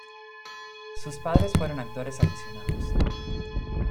Sus padres fueron actores aficionados.